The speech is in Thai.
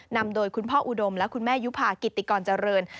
นำโดยคุณพ่ออุดมและคุณแม่ยุภากิติกรเจริญ